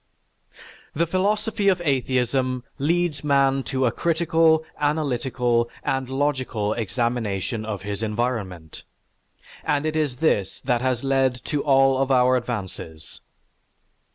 _) The philosophy of atheism leads man to a critical, analytical, and logical examination of his environment, and it is this that has lead to all of our advances.